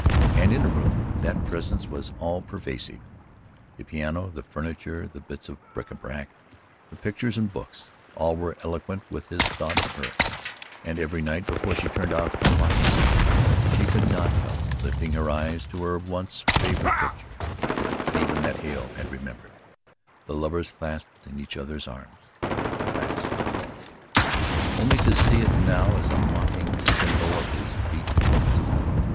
And in her room that presence was all pervasive. The piano, the furniture, the bits of bric a brac, the pictures and books all were eloquent with his thought of her and every night before she turned out her light she could not help lifting her eyes to her once favourite picture even that Hale had remembered the lovers clasped in each other's arms "At Last Alone" only to see it now as a mocking symbol of his beaten hopes.